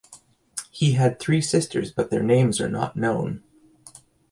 He had three sisters, but their names are not known.